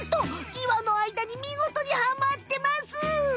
岩のあいだにみごとにはまってます！